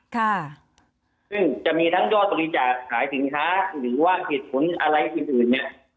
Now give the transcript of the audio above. ซึ่งจะมีทั้งยอดบริจาคขายสินค้าหรือว่าเหตุผลอะไรอื่นอื่นเนี่ย